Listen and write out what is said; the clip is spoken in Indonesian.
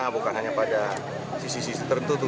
bukan hanya pada sisi sisi tertentu